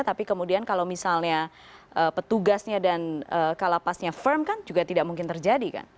tapi kemudian kalau misalnya petugasnya dan kalapasnya firm kan juga tidak mungkin terjadi kan